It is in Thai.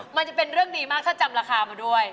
มันจะเป็นเรื่องดีมากถ้าจำราคามาด้วย